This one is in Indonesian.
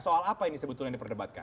soal apa ini sebetulnya yang diperdebatkan